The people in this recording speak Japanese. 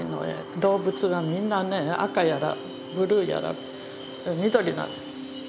動物はみんなね赤やらブルーやら緑なの。